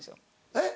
えっ？